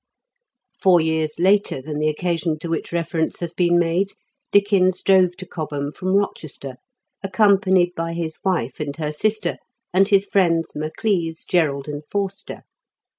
Four years later than the occasion to which reference has been made, Dickens drove to Cobham from Eochester, accompanied by his wife and her sister, and his friends Maclise, Jerrold, and Forster.